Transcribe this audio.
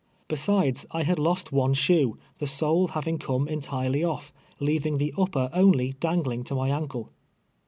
Besides, I had lost one shoe, the sole having come entirely ofl', leaving the upper only dangling to my ankle.